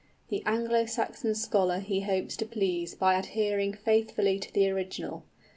The Anglo Saxon scholar he hopes to please by adhering faithfully to the original.